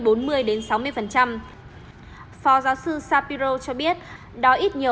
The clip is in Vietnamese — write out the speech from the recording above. phó giáo sư shapiro cho biết